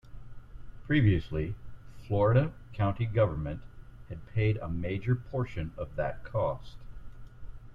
Previously, Florida county governments had paid a major portion of that cost.